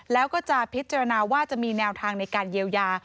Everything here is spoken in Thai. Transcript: แล้วก็จะพิจารณาว่าจะมีแนวทางในการเยียวยา